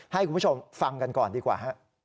ให้คุณผู้ชมฟังกันก่อนดีกว่า